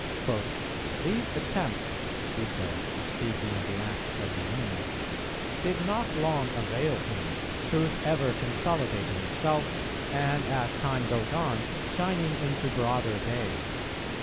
"These attempts," he says, speaking of the acts of the enemy, "did not long avail him, Truth ever consolidating itself, and, as time goes on, shining into broader day.